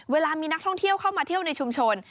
เวลามีนักท่องเที่ยวเข้ามาเที่ยวในชุมชน